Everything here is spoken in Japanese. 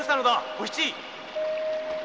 お七！